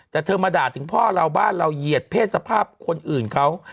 แต่เธอมาด่าถึงพ่อเราบ้านเราเหยียดเพศสภาพคนอื่นเขา